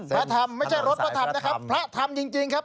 พระธรรมไม่ใช่รถพระธรรมนะครับพระทำจริงครับ